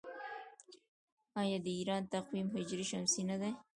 آیا د ایران تقویم هجري شمسي نه دی؟